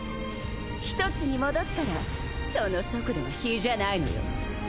一つに戻ったらその速度は比じゃないのよ